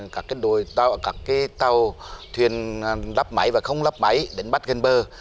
các đồi tàu các tàu thuyền lắp máy và không lắp máy đỉnh bắt gần bờ